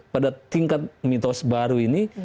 pada tingkat mitos baru ini